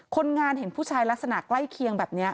คนงานเห็นผู้ชายลักษณะใกล้เคียงแบบนี้